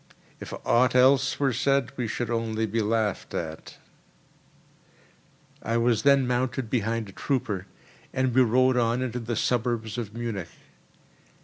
If aught else were said we should only be laughed at." I was then mounted behind a trooper, and we rode on into the suburbs of Munich.